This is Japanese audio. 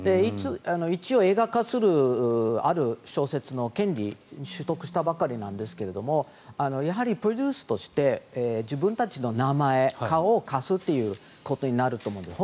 一応、映画化する小説の権利を取得したばかりなんですがやはりプロデュースとして自分たちの名前、顔を貸すということになると思うんですね。